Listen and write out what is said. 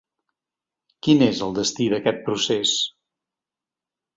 Quin és el destí d’aquest procés?